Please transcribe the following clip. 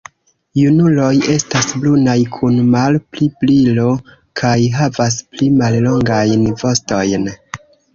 Junuloj estas brunaj kun malpli brilo kaj havas pli mallongajn vostojn.